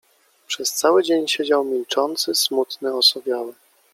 Przez cały dzień siedział milczący, smutny, osowiały.